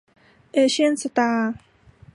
เอเชี่ยนสตาร์